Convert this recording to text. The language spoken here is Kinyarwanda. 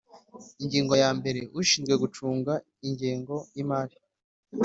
Ingingo ya mbere Ushinzwe gucunga ingengo y imari